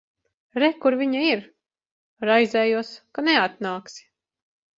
Re, kur viņa ir. Raizējos, ka neatnāksi.